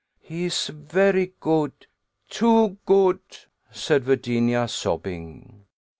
"He is very good, too good," said Virginia, sobbing.